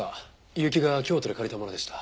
結城が京都で借りたものでした。